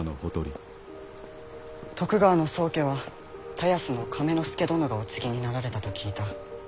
徳川の宗家は田安の亀之助殿がお継ぎになられたと聞いた。